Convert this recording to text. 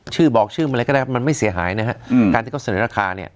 ชื่อบอกชื่ออะไรก็ได้มันไม่เสียหายนะฮะการที่เขาเสนอราคาเนี่ย